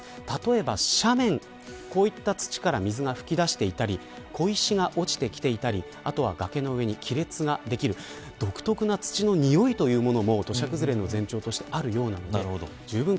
例えば斜面こういった土から水が噴き出していたり小石が落ちてきていたりあとは崖の上に亀裂ができる独特な土のにおいっていうのも土砂崩れの前兆としてあるようなのでじゅうぶん